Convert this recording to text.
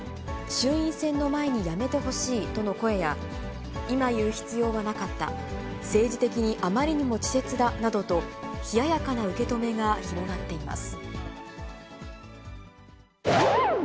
衆院選の前に辞めてほしいとの声や、今言う必要はなかった、政治的にあまりにも稚拙だなどと、冷ややかな受け止めが広がっています。